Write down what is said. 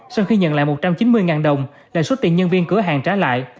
sau khi nhận lại một trăm chín mươi đồng là số tiền nhân viên cửa hàng trả lại